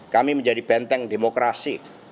kami menjadi benteng demokrasi